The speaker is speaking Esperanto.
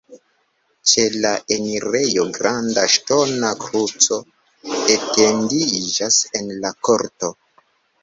Ĉe la enirejo granda ŝtona kruco etendiĝas en la korto.